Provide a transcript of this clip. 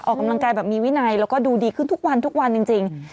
ออกกำลังกายแบบมีวินัยแล้วก็ดูดีขึ้นทุกวันทุกวันจริง